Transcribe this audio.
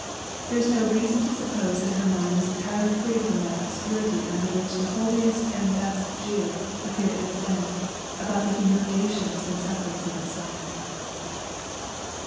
There is no reason to suppose that her mind was entirely free from that obscurity under wluch the holiest and best Jews appear to have been, about the humiliations and sufferings of Messiah.